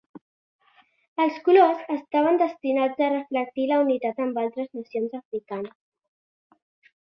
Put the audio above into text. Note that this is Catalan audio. Els colors estaven destinats a reflectir la unitat amb altres nacions africanes.